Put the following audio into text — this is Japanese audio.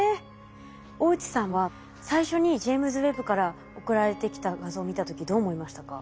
大内さんは最初にジェイムズ・ウェッブから送られてきた画像を見た時どう思いましたか？